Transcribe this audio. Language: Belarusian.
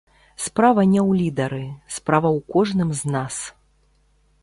Справа не ў лідары, справа ў кожным з нас.